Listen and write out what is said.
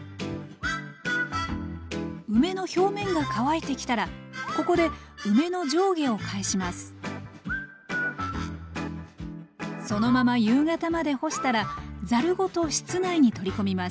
梅の表面が乾いてきたらここで梅の上下を返しますそのまま夕方まで干したらざるごと室内に取り込みます。